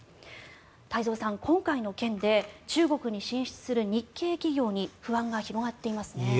太蔵さん、今回の件で中国に進出する日系企業に不安が広がっていますね。